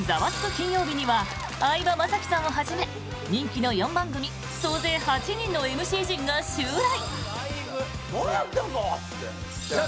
金曜日」には相葉雅紀さんをはじめ人気の４番組総勢８人のＭＣ陣が襲来！